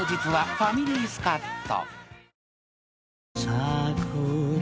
ファミリースカッと］